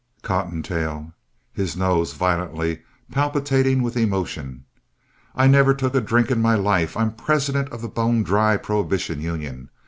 COTTONTAIL (his nose violently palpitating with emotion) I never took a drink in my life. I'm president of the Bone Dry Prohibition Union.